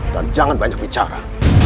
dan jangan banyak bicara